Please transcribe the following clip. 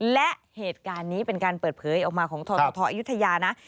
และเหตุการณ์นี้เป็นการเปิดเผยออกมาของททอายุทยานะ